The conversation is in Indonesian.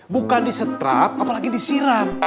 bukan disetrap apalagi disiram